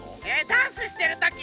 ダンスしてるとき！